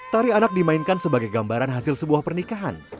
tari anak dimainkan sebagai gambaran hasil sebuah pernikahan